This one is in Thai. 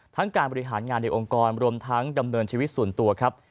การบริหารงานในองค์กรรวมทั้งดำเนินชีวิตส่วนตัวครับ